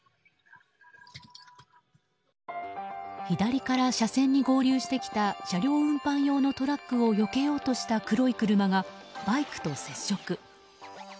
左から車線に合流してきた車両運搬用のトラックを避けようとした黒い車がバイクと接触。